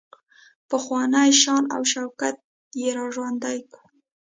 پخوانی شان او شوکت را ژوندی کړو.